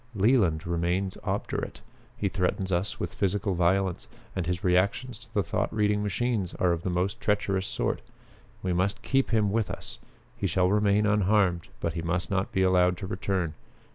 Leland remains obdurate. He threatens us with physical violence, and his reactions to the thought reading machines are of the most treacherous sort. We must keep him with us. He shall remain unharmed, but he must not be allowed to return.